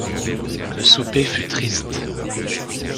Le souper fut triste.